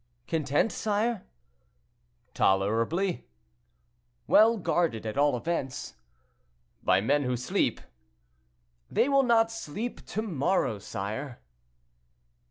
"Content, sire?" "Tolerably." "Well guarded, at all events." "By men who sleep." "They will not sleep to morrow, sire."